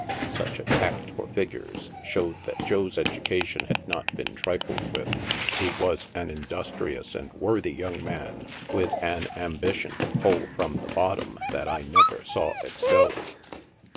Such a tact for figures showed that Joe's education had not been trifled with. He was an industrious and worthy young man, with an am bition to pull from the bottom that I never saw excelled.